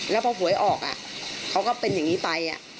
แล้วพอหวยออกเขาก็เป็นอย่างนี้ไป